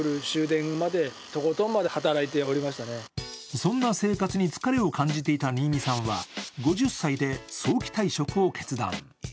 そんな生活に疲れを感じていた新見さんは５０歳で早期退職を決断。